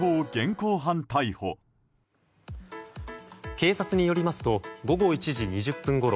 警察によりますと午後１時２０分ごろ